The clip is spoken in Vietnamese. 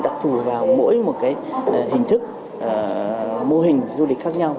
đặc thù vào mỗi một cái hình thức mô hình du lịch khác nhau